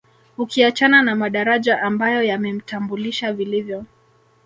Ukiachana na madaraja ambayo yamemtambulisha vilivyo